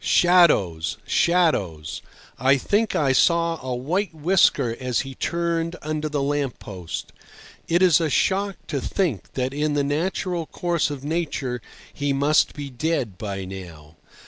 Shadows! Shadows! I think I saw a white whisker as he turned under the lamp post. It is a shock to think that in the natural course of nature he must be dead by now.